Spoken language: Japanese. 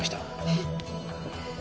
えっ！